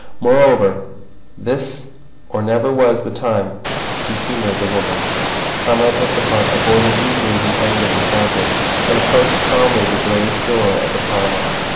Moreover, this or never was the time to humour the woman. Comrade Ossipon avoided easily the end of the counter, and approached calmly the glazed door of the parlour.